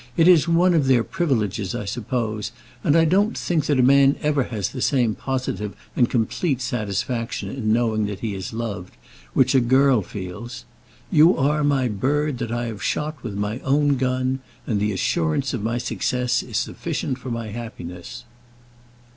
It is one of their privileges, I suppose. And I don't think that a man ever has the same positive and complete satisfaction in knowing that he is loved, which a girl feels. You are my bird that I have shot with my own gun; and the assurance of my success is sufficient for my happiness."